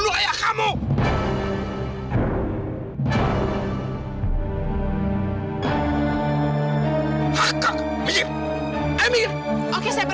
apa yang kamu mau lakukan sama mir